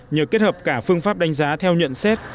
nhờ kết hợp cả phương pháp đánh giá theo nhận xét